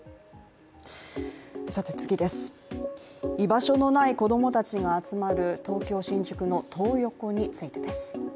居場所のない子供たちが集まる東京・新宿のトー横についてです。